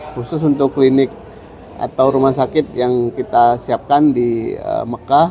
khusus untuk klinik atau rumah sakit yang kita siapkan di mekah